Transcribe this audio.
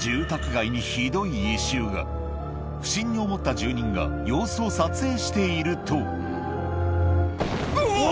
住宅街にひどい異臭が不審に思った住人が様子を撮影しているとうわっ！